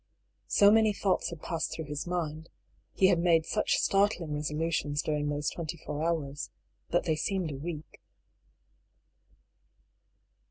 So many thoughts had passed through his mind, he had made such startling resolutions during those twenty four hours that they seemed a week.